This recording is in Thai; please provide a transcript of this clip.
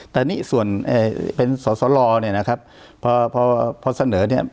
แต่นี่ส่วนเอ่ยเป็นเนี้ยนะครับพอพอพอเสนอเนี้ย